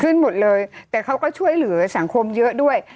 หมดเลยแต่เขาก็ช่วยเหลือสังคมเยอะด้วย